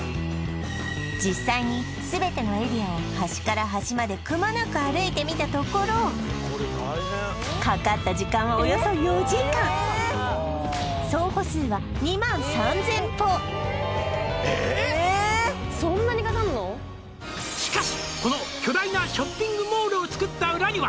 実際に全てのエリアを端から端までくまなく歩いてみたところかかった時間はおよそ４時間総歩数は２万３０００歩「しかしこの巨大なショッピングモールをつくった裏には」